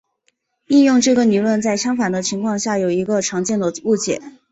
应用这个理论在相反的情况下有一个常见的误解。